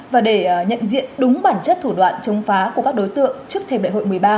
và để nhận diện đúng bản chất thủ đoạn chống phá của các đối tượng trước thềm đại hội một mươi ba